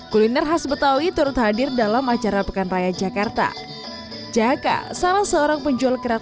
kuliner khas betawi turut hadir dalam acara pekan raya jakarta jaka salah seorang penjual kerat